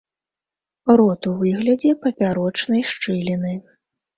Рот у выглядзе папярочнай шчыліны.